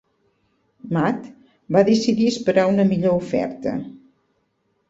Matt va decidir esperar una millor oferta.